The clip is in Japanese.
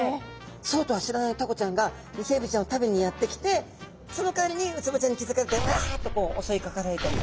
そうとは知らないタコちゃんがイセエビちゃんを食べにやって来てそのかわりにウツボちゃんに気付かれてうわっとこうおそいかかられたり。